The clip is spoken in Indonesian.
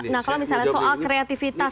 nah kalau misalnya soal kreativitas